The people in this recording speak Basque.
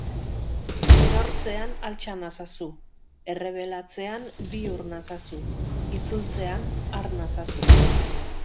Erortzean altxa nazazu, errebelatzean bihur nazazu, itzultzean har nazazu.